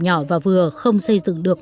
nhỏ và vừa không xây dựng được